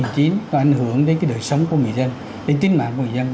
có ảnh hưởng đến cái đời sống của người dân đến tính mạng của người dân